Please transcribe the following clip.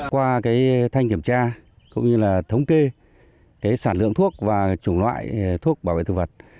qua cái thanh kiểm tra cũng như là thống kê cái sản lượng thuốc và chủng loại thuốc bảo vệ thuốc